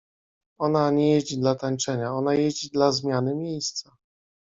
Ona nie jeździ dla tańczenia, ona jeździ dla zmiany miejsca.